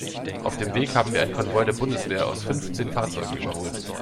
Auf dem Weg haben wir einen Konvoi der Bundeswehr aus fünfzehn Fahrzeugen überholt.